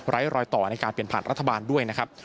รอยต่อในการเปลี่ยนผ่านรัฐบาลด้วยนะครับ